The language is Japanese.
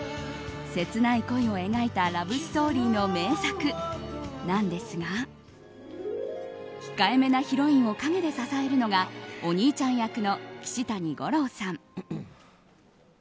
切ない恋を描いたラブストーリーの名作なんですが控えめなヒロインを陰で支えるのがお兄ちゃん役の岸谷五朗さん。